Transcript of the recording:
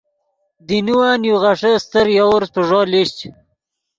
دینوّن یو غیݰے استر یوورس پیݱو لیشچ۔